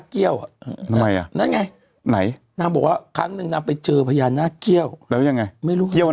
เออไม่เข้าใจสาม